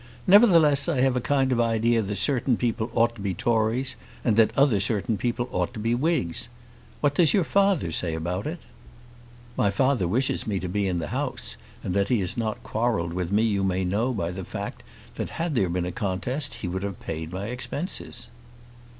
Nevertheless I have a kind of idea that certain people ought to be Tories and that other certain people ought to be Whigs. What does your father say about it?" "My father wishes me to be in the House, and that he has not quarrelled with me you may know by the fact that had there been a contest he would have paid my expenses."